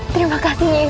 terima kasih nyai